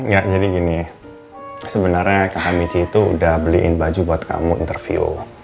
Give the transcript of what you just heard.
ya jadi gini sebenarnya kak hamidi itu udah beliin baju buat kamu interview